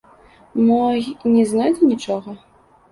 Мо й не знойдзе нічога?